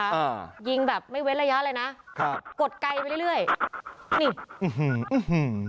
อ่ายิงแบบไม่เว้นระยะเลยนะครับกดไกลไปเรื่อยเรื่อยนี่อื้อหืออื้อหือ